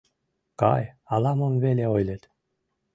— Кай, ала-мом веле ойлет.